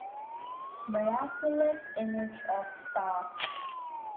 Miraculous Image of Sta.